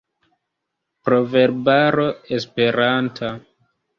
Proverbaro esperanta.